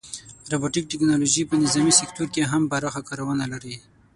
روبوټیک ټیکنالوژي په نظامي سکتور کې هم پراخه کارونه لري.